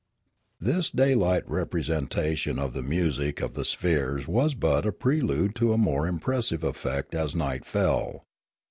This daylight representation of the music of the spheres was but a prelude to a more impressive effect as night fell.